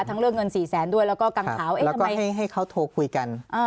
ทั้งเรื่องเงินสี่แสนด้วยแล้วก็กังขาวแล้วก็ให้ให้เขาโทรคุยกัน